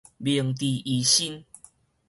明治維新